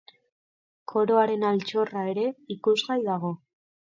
Koroaren altxorra ere ikusgai dago.